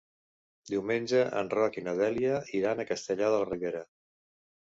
Diumenge en Roc i na Dèlia iran a Castellar de la Ribera.